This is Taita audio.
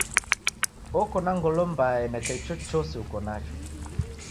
Oko na ngolo mbaa eneka ichochose uko nacho.